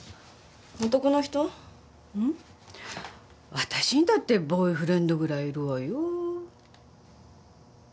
私にだってボーイフレンドぐらいいるわよ。